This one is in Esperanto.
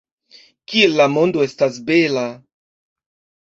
Kiel la mondo estas bela!